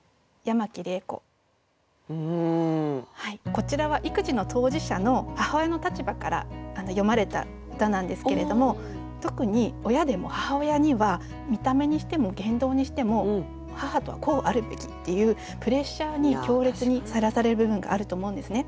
こちらは育児の当事者の母親の立場から詠まれた歌なんですけれども特に親でも母親には見た目にしても言動にしても「母とはこうあるべき」っていうプレッシャーに強烈にさらされる部分があると思うんですね。